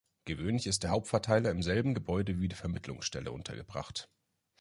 Gewöhnlich ist der Hauptverteiler im selben Gebäude wie die Vermittlungsstelle untergebracht.